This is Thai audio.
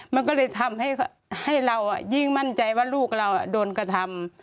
มันก็เลยทำให้เรายิ่งมั่นใจว่าลูกเราโดนกระทำ